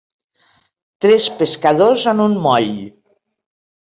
Tres pescadors en un moll